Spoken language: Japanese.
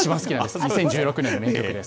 ２０１６年の名曲です。